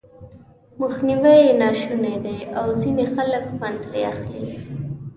مخنيوی یې ناشونی دی او ځينې خلک خوند ترې اخلي.